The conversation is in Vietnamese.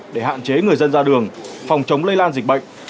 để hạn chế người dân ra đường phòng chống lây lan dịch bệnh